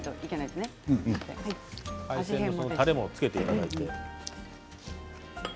たれもつけていただいて。